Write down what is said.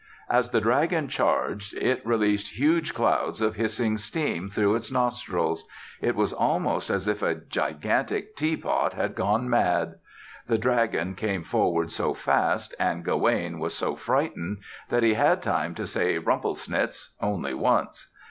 As the dragon charged it released huge clouds of hissing steam through its nostrils. It was almost as if a gigantic teapot had gone mad. The dragon came forward so fast and Gawaine was so frightened that he had time to say "Rumplesnitz" only once.